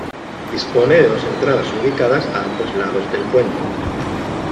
Dispone de dos entradas ubicadas a ambos lados del puente.